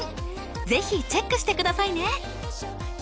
ぜひチェックしてくださいね。